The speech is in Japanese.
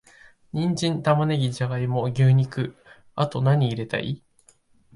ニンジン、玉ネギ、ジャガイモ、牛肉……あと、なに入れたい？